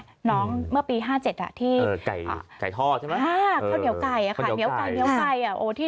หนังเมื่อปีห้าเจ็ดอ่ะที่เก่าเหนียวไก่